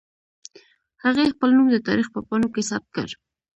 هغې خپل نوم د تاریخ په پاڼو کې ثبت کړ